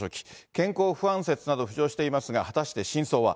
健康不安説など浮上していますが、果たして真相は。